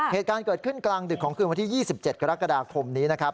เหตุการณ์เกิดขึ้นกลางดึกของคืนวันที่๒๗กรกฎาคมนี้นะครับ